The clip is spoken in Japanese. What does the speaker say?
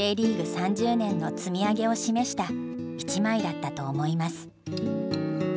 ３０年の積み上げを示した１枚だったと思います」。